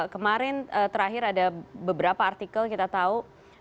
kemarin terakhir ada beberapa artikel kita tahu